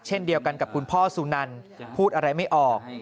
เช่นเดียวกันกับคุณพ่อสุนันพูดอะไรไม่ออก